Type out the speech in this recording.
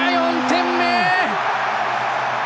４点目！